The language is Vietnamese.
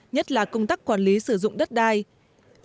nhất là công tác quản lý sử dụng địa phương